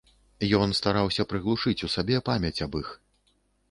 Ён стараўся прыглушыць у сабе памяць аб іх.